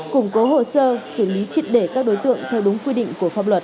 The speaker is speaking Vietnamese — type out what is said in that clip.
củng cố hồ sơ xử lý triệt để các đối tượng theo đúng quy định của pháp luật